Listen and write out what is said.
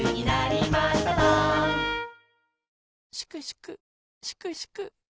・しくしくしくしく。